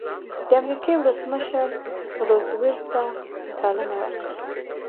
د امریکې ولسمشر روز وېلټ ده ته بلنه ورکړه.